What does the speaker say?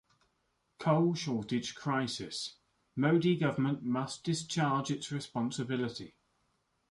Coal Shortage Crisis: Modi Government must Discharge its Responsibility